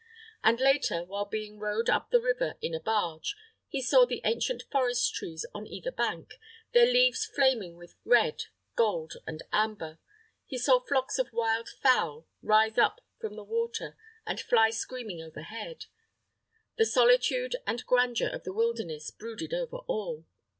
And later, while being rowed up the river in a barge, he saw the ancient forest trees on either bank, their leaves flaming with red, gold, and amber. He saw flocks of wild fowl rise up from the water, and fly screaming overhead. The solitude and grandeur of the wilderness brooded over all.